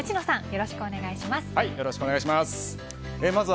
よろしくお願いします。